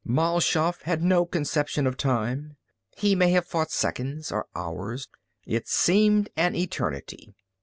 Mal Shaff had no conception of time. He may have fought seconds or hours. It seemed an eternity.